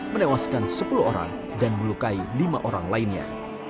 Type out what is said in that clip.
menewaskan sepuluh orang dan melukai lima orang lainnya